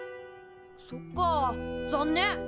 そっか残念。